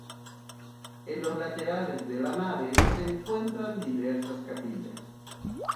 En los laterales de la nave se encuentran diversas capillas.